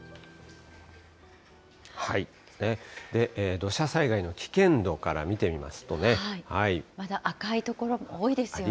土砂災害の危険度から見てみまだ赤い所も多いですよね。